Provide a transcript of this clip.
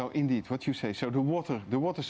jadi apa yang anda katakan